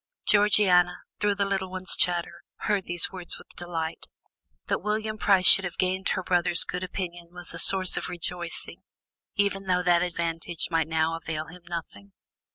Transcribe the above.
Georgiana, through the little one's chatter, heard these words with delight; that William Price should have gained her brother's good opinion was a source of rejoicing, even though that advantage might now avail him nothing.